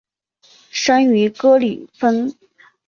生于格里芬。